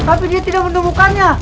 tapi dia tidak menemukannya